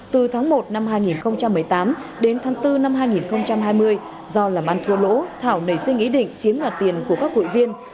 từ tháng một năm hai nghìn một mươi tám đến tháng bốn năm hai nghìn hai mươi do làm ăn thua lỗ thảo nảy sinh ý định chiếm đoạt tiền của các hội viên